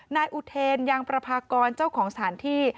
นายอุเทนยังประพากรเจ้าของสถานที่